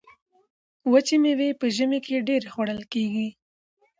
وچې میوې په ژمي کې ډیرې خوړل کیږي.